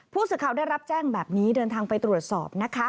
ผู้สื่อข่าวได้รับแจ้งแบบนี้เดินทางไปตรวจสอบนะคะ